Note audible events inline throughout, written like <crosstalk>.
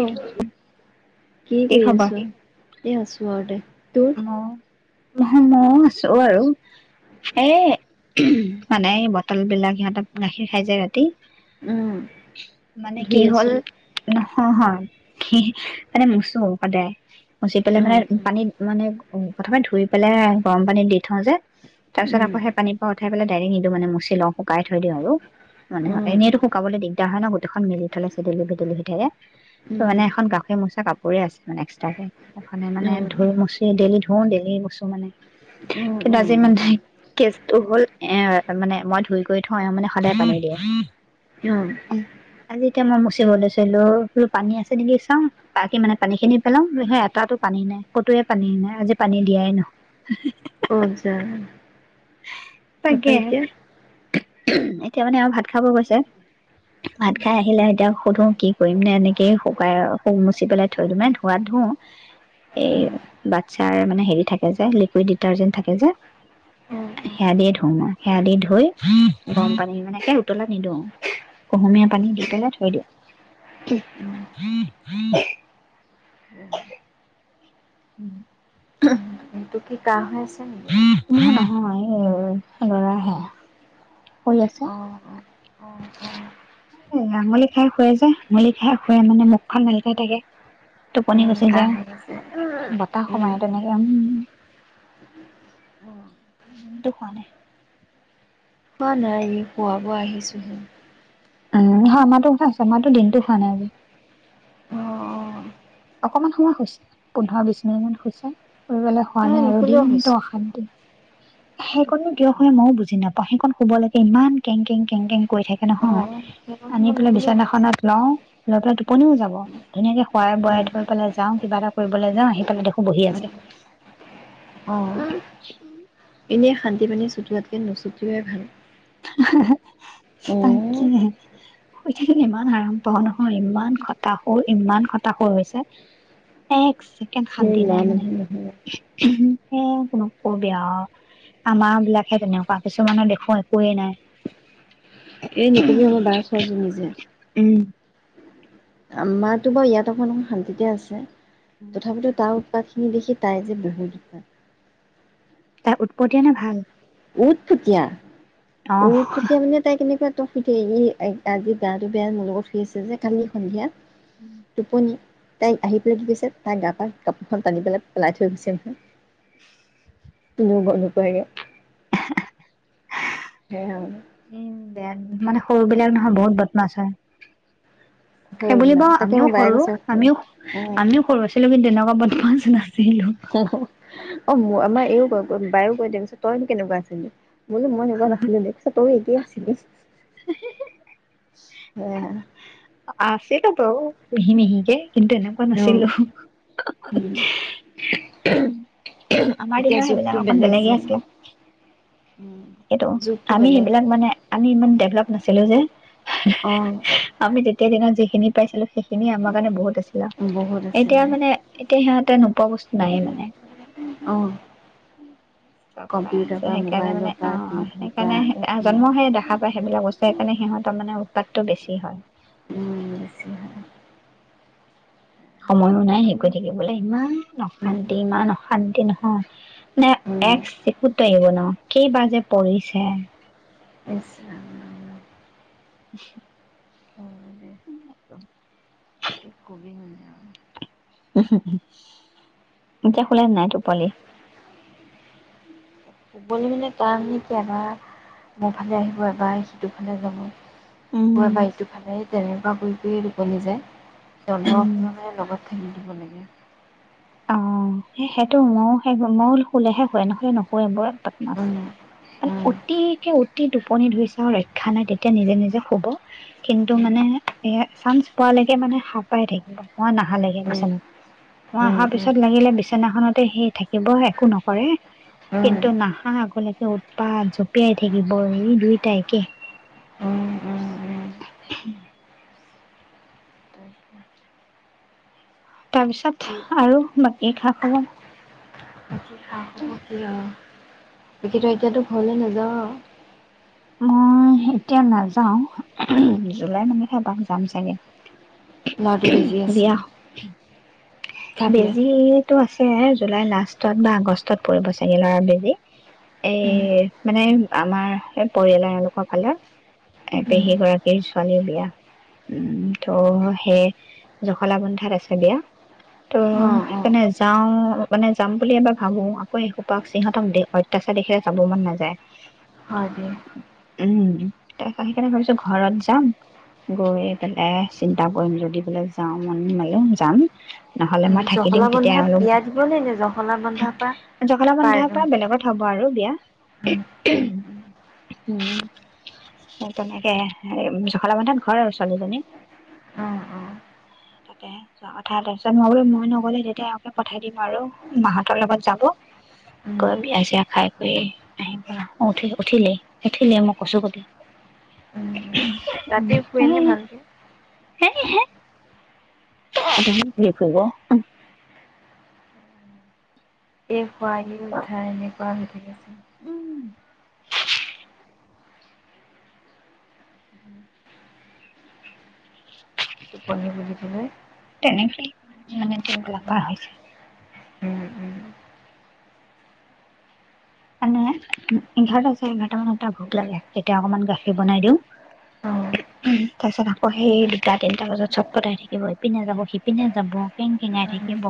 উম কি কি কৰি আছো এ আছো আৰুতে আহ স চ আৰু এ মানে বটল বিলাক সিহঁত গাখীৰ খাই যায় ৰাতি উম মানে ধুই কি হ'ল আছো ন অ হয় মানে মচো সদায় গচি পেলাই অ মানে পানীত প্ৰথমে ধুই পেলাই গৰম পানীত দি থওঁ যে তাৰ পিছত উম আকৌ সেই পানী প পৰা পেলাই নিিল মে মছি শ্বিলং শুকাই থৈ দিওঁ আৰু মানে অ এনেইতো অ শুকাবলৈ দিগদাৰ হয় ন গোটেইখন মেলি থলে চছেডেলি ভেদিলি ভি থাইে ত উম মানে এখন গাখীৰ মোচা কাপোৰ পৰি আছে এক্সট্ৰে অ মানে ধ মি ডেইেলি ধওঁ দে এই বস্তু মানে অ কিন্তু আজি মান কেচটো হ'ল এ মানে মই ধুই গৈ হয় মানে সদায় কামি দিয়ে আহ আজি এতিয়া মই মচিবলৈ চোোৰ পানী আছে নেকি চাওঁ বাকী মানে পানী খিনি পেলাও স এটাতো পানী নাই কতোৱে পানী নাই আজি পানী দিয়াই নহ অ যা আাপ তাকে। এতিয়া এতিয়া মানে আৰু ভাত খাব গৈছে ভাত খাই আহিলে এতিয়া সুধো কি কৰিম নে এনেকেই শুকাই শু মুচি পেলাই থৈ দিো মে ধোৱাত ধো এই অ বাচ্ছাৰ মানে হেৰি থাকে যে লিকুইড ডিটাৰজেন্ট থাকে যে অ সেয়া অ দিয়ে ধও মই সেয়া দি ধুই গৰম পানী মানেকে উতলা নিদিওঁ কুহুমীয়া পানী দি পেলাই থৈ দিওঁ উম ন্তটো কি কাহ আ নহয় এই লৰাহে কৰি <unintelligible> অ অ অ অ আঙুলি খাই শুৱে যে আঙুলি খাই শুুৱে মানে মুখখন নালকাই থাকে টোপনি উম গুচি কাহ যায় হৈ আছে টা উম সোমায় তেনেকে উম অ দিনটো খোৱা নাই হোৱা নাই খুৱাব আহিছোহি উম আমাৰো খোৱাাই আছে আমাৰো দিনতটো খোৱা নাই আজি অ অ অকমান সময় হৈছে পোন্ধৰ বিশ মিনিট মান হৈছে। শুৱা তাই নাই আৰু নুশুলেও দিনটো হৈছে অশান্তি। সেইকনো কিয় হয় মইও বুজি নাপাওঁ সেইখন শুব লাগে ইমান কেং কেং কেং কেং কৰি থাকে অ নহয়। সেইকণ আনি সময় পেলাই নুশুলেও হয় বিচনাখনত লওঁ। লৈ পেলাই টোপনিও যাব ধুনীয়াকে। খোৱাই বোৱাই। যাওঁ কিবা এটা কৰিবলৈ যাওঁ আহি পেলাই দেখো বহি আছে। অঁ এনেই শান্তি পানী ছটোৱাতকৈ নচটিওৱাই ভাল। <unintelligible> অ', তাকে শুই থাকিল ইমান আৰাম পাও‌ নহয় ইমান খটাাসুৰ ইমান খটাাসুৰ হৈছে এক ছেকেণ্ড। এক ছেকেণ্ড সেই শান্তি ল'ৰা নাই মানুহ মানে নহয়। <unintelligible> হে একো নকবি আউ আমাৰ বিলাকহে তেনেকুৱা। কিছুমানৰ দেখোন একোৱে নাই এই নকবি আৰু আমাৰ বাৰ ছোৱালী জনি যে উম আমাৰতো বাৰু ইয়াত অকণ অ' শান্তিতে আছে। তথাপিতো তাৰ উৎপাত সেই দেখি তাই যে বহুত উৎপাত তাই উৎপতিয়া নে ভাল? উৎপতিয়া। অ উম উৎপতিয়া মানে তাই কেনেকুৱা? ইকদম শুই থাকে সি। আজি গাটো বেয়া মোৰ লগত শুই আছে যে। কালি সন্ধিয়া টোপনি তাই আহি পেলাই কি কৰিছে, তাই গা-পা কাপোৰখন টানি পেলায় পেলাই থৈ গৈছে নহয়। <unintelligible> লৈ গ'ল নোকোৱাকে। এহ‌এহ দে আৰু। মানে সৰু বিলাক নহয় বহুত বদনাছ হয়। সেই বুলি‌ সৰুবিলাক বাৰু তাকে আমিও আমাৰ বায়ে সৰু কৈছে আমিও আমিও সৰু আছিলো কিন্তু তেনেকুৱা পাঁচ লাখ সিল অ'। <unintelligible> অ মোৰ আমাৰ এইও ক বায়ো কৈ দেিয় পিছত তই কেনেকুৱা আছিলি বোলো মই এনেকুৱা নাছিলো দে পিছ তই এতিে আছিলি সে প কি নিক কিন্তু এনেকুৱা নাছিলো আমাৰ এতিয়া দিনৰ যুগটো সেইবিলাক অকণ বেলেগ বেলেগে যে আছিলে তাকেইো যুগটো আমি বেলেগ সেইবিলাক মানে আমি ইমান ডেভলপ নাছিলো যে অ আমিয়া তেতিয়া দিনত যিিন পাইছিলো স খিনিয় আমাৰ কাৰণে বহুত আছিলা বহুত এতিয়া আছিলে মানে এতিয়া সিহঁত তেনো পোৱা বস্তু নাইে মানে অ চব পাই আছে কম্পিউটাৰ পৰা সেইকাৰণে মোবাইলৰ মানে পৰা অ টিভিৰ পৰা সেইকাৰণে উম জন্ম সে দেখা পায় সেইবিলাক বস্তু সেইকাৰণে সিহঁতৰ মানে উপাতটো বেছি হয় উম বেছি ভাগ সময়ো নাই সেইকৰি থাকিবলৈ ইমান অশান্তি ইমান অশান্তি নহয়, নে এক চিকুত এৰিব নোৱাও কেইবাৰ যে পৰিছে এ ইচ ৰাম <inaudible> কি কবি মানে আৰু। উম হু হু, এতিয়া শুলে নে নাই টোপালি কবলৈ মানে কাম নেকি এবাৰ মোৰ ফালে আহিব, এবাৰ সিটো ফালে যাব উম আকৌ এবা ইটো ফালে তেনেকুৱা শুই শুইয়ে টুপনি যায় উম জন্মানে লগতে <unintelligible> ম দিব লাগে অ এ সেইটো ময়ো সেই মোৰ <unintelligible> ক'লেহে হয় নহলে নকয় বৰ পটমাছ, উম, মানে উম, অতি অতি টোপনি ধৰিছে আৰু ৰক্ষা নাই তেতিয়া নিজে নিজে শুব। কিন্তু উম, উম, মানে এ চানঞ্চ পোৱালৈকে মানে হাঁ পাই থাকিব, মই নহালেকে উম, বিচনাত। মই উম, অহা পিছত লাগিলে বিচনাখনতে সেই থাকিব একো নকৰে, উম, কিন্তু নাহা আগলৈকে উৎপাত জপিয়াই থাকিব এই দুইটাই একেই উম, উম, উম। কি তাৰপিছত আৰু বাকী খা খবৰ? বাকী অ এতিয়াতো এতিয়াতো ঘলে নাযাওঁ আও মই এতিয়া নাযাও। জুলাই মানতহে এপাক যাম চাগে ল'ৰাটো বেজি আছিল বেজিটো আছে আছে জুলাই লাষ্টত বা আগষ্টত পৰিব চাগে ল'ৰা বেজি। এই উম, মানে আমাৰ পৰিয়ালৰ এওঁলোকৰ ফালৰ এ উম, পেহী গৰাকীৰ ছোৱালীৰ বিয়া। উম ত' সেই জখলাবন্ধাত আছে বিয়া ত' অ', অ', সেইকাৰণে যাও মানে যাম বুলি এবাৰ ভাবো আকৌ এসোপাক সিহঁতক অত্যাচাৰ দেখিলে যাব মন নাযায় হয় দে উম তাৰপা সেইকাৰণে ভাবিছো ঘৰত যাম গৈ পেলাই চিন্তা কৰিম যদি বোলে যাওঁ মন মেলো যাম নহলে উম, মই থাকি দিম জখলা তেতিয়া বন্ধাত অলপ। বিয়া দিব নে নে জখলা বন্ধাৰ পৰা জখলা পাৰ বন্ধাৰ উম, পৰা বেলেগত হব আৰু বিয়া উম, উম, উম, উহু উম, তেনেকে জখলাবান্ধাত ঘৰ আৰু ছোৱালীজনী। অ', অ', তাতে যোৱা কথা তাৰ পিছত মই বোলো মই নগলে তেতিয়া আকে পঠাই দিম আৰু, মাহতৰ লগত যাব উম, গৈ বিয়া চিয়া খাই কৰি আহি। উঠিল উঠিলেই উঠিলেই মই কৈছো ক উম, ৰাতি শুৱেনে ভালকে? হে হে ষ হৈ গ <unintelligible> এই খুৱাহি উদ্ধাৰ এনেকুৱা হৈ থাকেছিল উম টোপনীৰ বুলিবলৈ তেনেকেই মানে বোপাৰ হৈছে <unintelligible> উম উম মানে এঘাৰটা চাৰে এঘাৰটা মান টা ভোক লাগে। তেতিয়া অকমান গাখীৰ বনাই দিও। অ'। তাৰ পিছত আকৌ সেই দুটা তিনিটা বজাত চট ফটাই থাকিব, ইপিনে যাব, সিপিনে যাব, কেং কেঙাই থাকিব,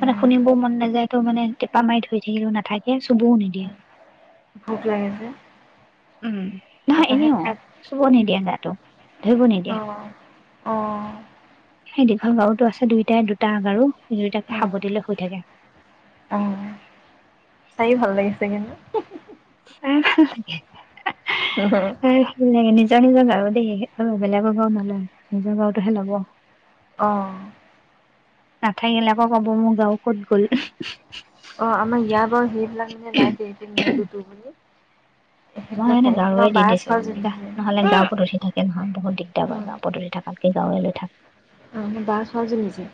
মানে শুনিবও মন নাযায় তো মানে টেপা মাৰি ধই থাকিলো নাথাকে চুবও নিদি <inaudible> ভুক লাগেছে উম নহ এনেও চুব নিদিয়ে টো ধৰিব নিদিয়া অ', অ', সেই দীঘল গাৰুতো আছে দুয়টাই দুটা গাৰু সেই দুয়টাকে সাৱটিলে শুই থাকে চাই ভাল লাগিছে কিন্তু এ হে অ', হে হয় ভাল লাগে নিজ নিজৰ নিজৰ গাৰু দেই বেলেগৰ গাৰু নলয় নিজৰ গাৰুতোহে ল'ব অ নাথাকিলে আকৌ কব মোৰ গাৰু ক'ত গ'ল অ আমাৰ ইয়াৰ বাৰু সেইবিলাক মানে নাই মোৰত ত মই এনে গাঁৱে বাৰ দিছো বোলো দা ছোৱালীজনী যে নহলে গাঁৱতঠি থাকে নহয় বহুত দিগদাৰ অ', গাঁওত উঠি থকাাত গাঁৰুবো লৈ থাক অ বা ছোৱালীজনি ন যে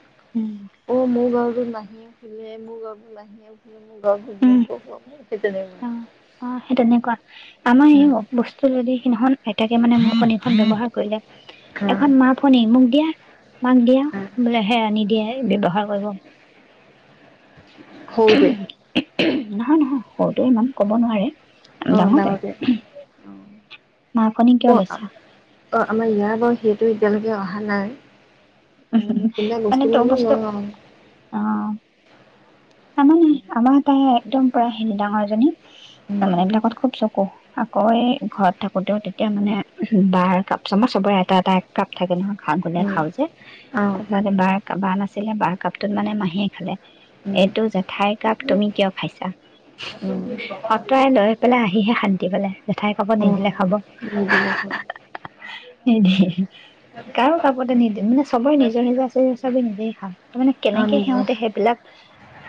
অ মোৰ গাঁৱতো নাহি মুগা বলে ম গান্ধী উম ক অ অ সেই তেনেকুৱা আমাৰ এই উম, বস্তু যদি খন আইতাকে মানে মনিখন ব ব্যৱহাৰ কৰিলে উম, এখন মা ফনি ম দিয়া মাক দিয়া উম, বোলে সেৰানি দিয়ে ব্যৱহাৰ কৰিব সৰুতে নহয় নহয় সৰুতেৱে ইমান ক'ব নোৱাৰে অ ডাঙৰ তাই ডাঙতো মা ফণী কিয় অ অ লৈছা অ আমাৰ ইয়াৰ বাৰু সেই টো এতিয়ালৈকে অহা নাই মানে কোবা বস্তু মনো ন অঁ তাৰমানে আমাৰ তাই একদম প হেই ডাঙৰজনী উম তাৰমানে এই বিলাকত খুব চকু আকৌ ঘৰত থাকোতেও তেতিয়া মানে বাৰ কাপ চমাৰ চবৰে এটা এটা এক কাপ থাকে নহয় ঘাঁ গোে উম খাওঁ যে অ তাৰপিছ বাৰ বাৰ নাছিলে বাৰ কাপটোত মানে মাহীয়ে খালে উম এইটো জেঠাইৰ কাপ তুমি কিয় খাইছা উম অঁতৰাই লৈ পেলাই আহিহে শান্তি পাললে জেঠাইৰ কাপত অ নিদিলে খাব নিদিলে খাব নিদিয়ে কাৰো কাপতে নিদি মানে চবৰে নিজৰ নিজৰ আছে চবেই নিজেই খাওঁ তাৰ মানে অ কেনেকে নিজে সিহঁতে সেইবিলাক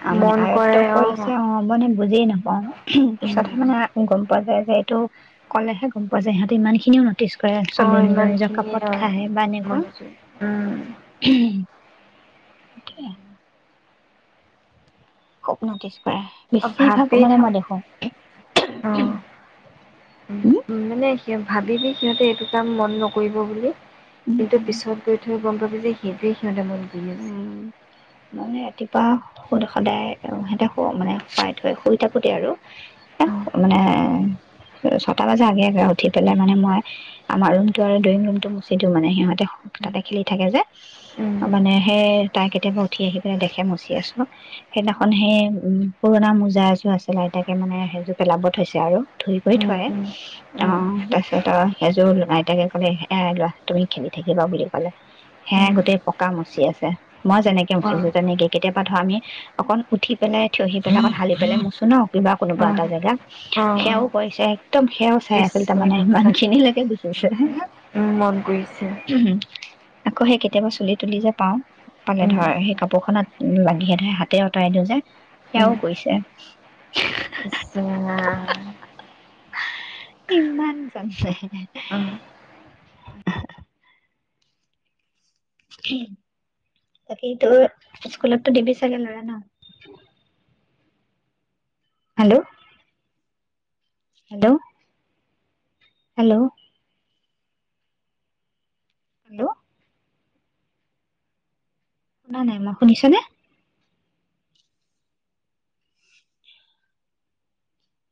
অ মানে মন আয়ত্ব কৰে কৰিছে অ মানে বুজিয়ে নাপাও উম পিছতহে মানে গম পোৱা যায় যে এইটো ক'লেহে গম পোৱা যায় সহঁতে ইমান খিনিও নটিচ কৰে আছে অ চবে নিজৰ নিজৰ ইমানখিনি কাপত অ খায় বা এনেকুৱা বুজিছো উম ঠিকে স্বপ্ন দিছ কৰা অ বেছিভাগ ভাবি মানে থাক মই দেখো অ হম মানে সি ভাবিবি সিহঁতে এইটো কাম মন নকৰিব বুলি উম কিন্তু উম পিছত গৈ থৈ গম পাবি যে সিট মদেমত গ আছে উম মানে ৰাতিপুৱা সদায় সিহঁতে মানে শুৱাই থৈ শুই থাকোতে আৰু এ মানে ছটা বজা আগেে উঠি পেলাই মানে মই আমাৰ ৰুমটো আৰু ড্ৰয়িং ৰুমটো মুচি দিও মানে সিহঁতে তাতে খেলি থাকে যে উম উম মানে সেই তাই কেতিয়াবা উঠি আহি পেলাই দেখে মচি আছো সেইদিনাখন সেই উম পুৰণা মোজা এযোৰ আছে আইতাকে মানে সেইযোৰ পেলাব থৈছে আৰু ধুই কৰি উম থোৱ উম উম অঁ তাৰ পিছত সেইযোৰ আইতাকে কলে এ লোৱা তুমি খেলি থাকিবা বুলি ক'লে সেয় উম উম গোটেই ক মচি আছে মই যেনেকে অ মুচিছো তেনেকৈ কেতিয়াবা ধৰ আমি অকণ উঠি পেলাই থিয় আহি পেলাই অক হালি পেলাই মুছো ন কিবা কোনোবা অ', এটা জেগা অ', সেয়াও অ', কৰিছে একদম সেয়াও চাই ইছ আছিল ৰাম তাৰমানে ইমান খিনি লাগে দেখিছো হ মন কৰিছে আকৌ সে কেতিয়াবা চলিত তুলি যে পাওঁ পালে উম, ধৰ সেই কাপোৰখনত লাগিহে ধৰে হাতে আঁতৰাই দিওঁ যে উম, সেয়াও কৰিছে ইছ ৰাম ইমান জ উম। বাকীতো স্কুলতো দিবি চাগে লৰা ন হেল্ল' হেল্ল' হেল্ল' হেল্ল' শুনা নাই ম শুনিছনে